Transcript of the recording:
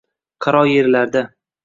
Qaro yerlarda